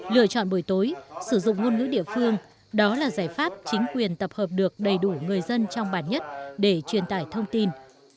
lựa chọn buổi tối sử dụng ngôn ngữ địa phương đó là giải pháp chính quyền tập hợp được đầy đủ người dân trong bản nhất để truyền tải thông tin